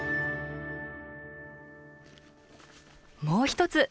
もう一つ！